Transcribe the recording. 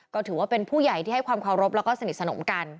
ก็ถือว่าเป็นผู้ใหญ่ที่ให้ความเคารพแล้วก็สนิทสนมกัน